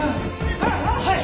はい！